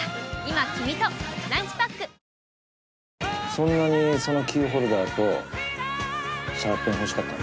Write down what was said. そんなにそのキーホルダーとシャーペン欲しかったの？